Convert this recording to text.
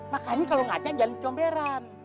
makanya kalau ngaca jangan comberan